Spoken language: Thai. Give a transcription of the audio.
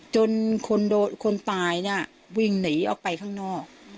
จนคนตายเนี่ยวิ่งหนีออกไปข้างนอก